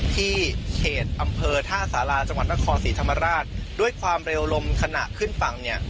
ที่เขตอำเภอท่าสาราจังหวัดนครศรีธรรมราชด้วยความเร็วลมขณะขึ้นฝั่งเนี่ย